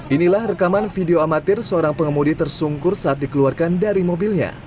inilah rekaman video amatir seorang pengemudi tersungkur saat dikeluarkan dari mobilnya